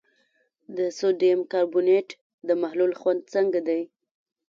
د سوډیم کاربونیټ د محلول خوند څنګه دی؟